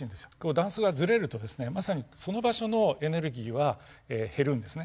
断層がずれるとですねまさにその場所のエネルギーは減るんですね。